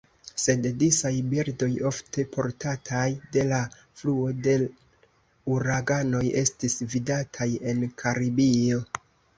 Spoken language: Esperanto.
Sed disaj birdoj, ofte portataj de la fluo de uraganoj, estis vidataj en Karibio.